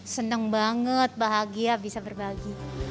senang banget bahagia bisa berbagi